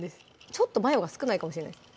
ちょっとマヨが少ないかもしれないです